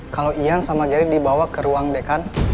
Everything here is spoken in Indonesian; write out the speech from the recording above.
kalau ian sama jerry dibawa ke ruang dekan